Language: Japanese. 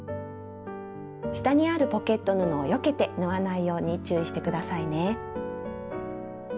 下にあるポケット布をよけて縫わないように注意して下さいね。